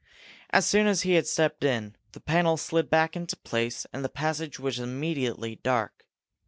As soon as he had stepped in, the panels slid back into place, and the passage was immediately dark.